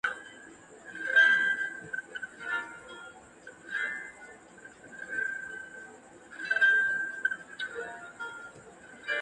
This is the twelfth season to feature three male coaches on the panel.